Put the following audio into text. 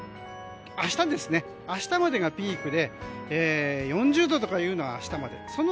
明日までがピークで４０度とかは明日まで。